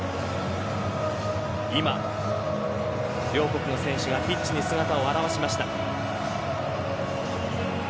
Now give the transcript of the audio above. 今、両国の選手がピッチに姿を現しました。